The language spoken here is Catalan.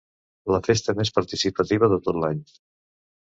La festa més participativa de tot l'any.